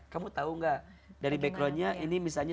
kamu tau gak dari backgroundnya ini misalnya